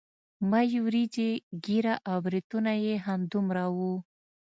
مۍ وريجې ږيره او برېتونه يې همدومره وو.